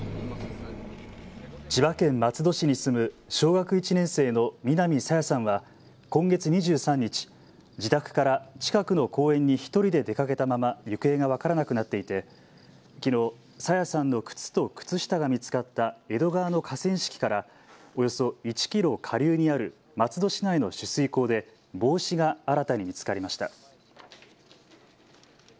千葉県松戸市に住む小学１年生の南朝芽さんは今月２３日、自宅から近くの公園に１人で出かけたまま行方が分からなくなっていてきのう朝芽さんの靴と靴下が見つかった江戸川の河川敷からおよそ１キロ下流にある松戸市内の取水口で帽子が新たに見つかりました。